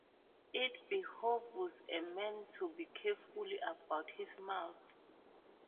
It behooves a man to be careful about his mouth.